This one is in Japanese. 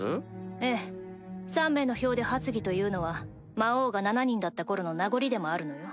ええ３名の票で発議というのは魔王が７人だった頃の名残でもあるのよ。